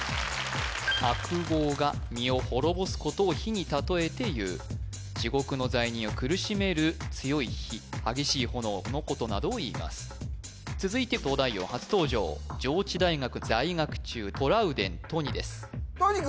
悪業が身を滅ぼすことを火に例えていう地獄の罪人を苦しめる強い火激しい炎のことなどをいいます続いて「東大王」初登場上智大学在学中トラウデン都仁です